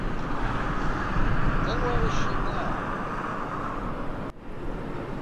Then where is she now?